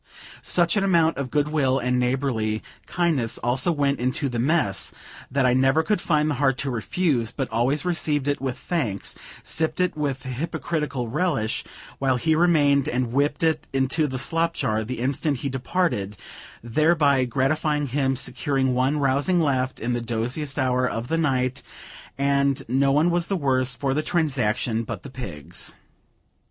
Such an amount of good will and neighborly kindness also went into the mess, that I never could find the heart to refuse, but always received it with thanks, sipped it with hypocritical relish while he remained, and whipped it into the slop jar the instant he departed, thereby gratifying him, securing one rousing laugh in the doziest hour of the night, and no one was the worse for the transaction but the pigs.